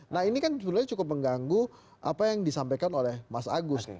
nah ini kan sebenarnya cukup mengganggu apa yang disampaikan oleh mas agus